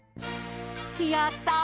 やった！